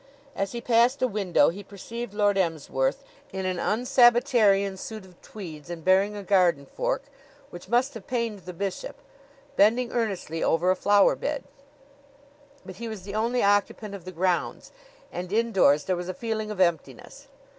As he passed a window he perceived Lord Emsworth, in an un Sabbatarian suit of tweeds and bearing a garden fork which must have pained the bishop bending earnestly over a flower bed; but he was the only occupant of the grounds, and indoors there was a feeling of emptiness.